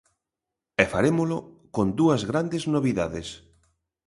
E farémolo con dúas grandes novidades.